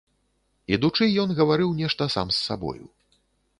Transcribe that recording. Ідучы ён гаварыў нешта сам з сабою.